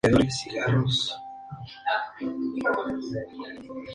Evolucionó del cubismo al racionalismo.